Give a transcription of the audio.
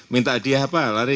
minta hadiah apa lari